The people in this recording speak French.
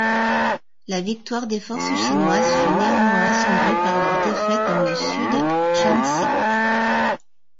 La victoire des forces chinoises fut néanmoins assombrie par leur défaite dans le sud-Shanxi.